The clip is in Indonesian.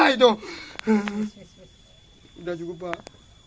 sudah cukup pak